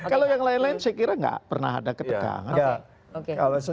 kalau yang lain lain saya kira nggak pernah ada ketegangan